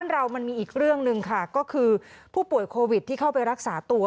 เรามันมีอีกเรื่องหนึ่งค่ะก็คือผู้ป่วยโควิดที่เข้าไปรักษาตัว